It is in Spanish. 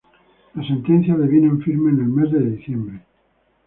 La sentencia devino en firme en el mes de diciembre.